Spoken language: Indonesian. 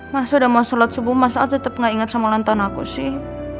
mas sudah mau sholat subuh mas al tetap tidak ingat sama lantaran aku sih